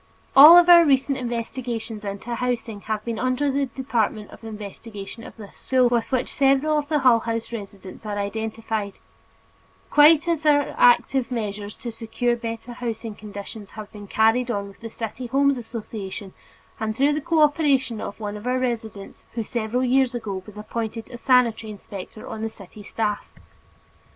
All of our recent investigations into housing have been under the department of investigation of this school with which several of the Hull House residents are identified, quite as our active measures to secure better housing conditions have been carried on with the City Homes Association and through the cooperation of one of our residents who several years ago was appointed a sanitary inspector on the city staff.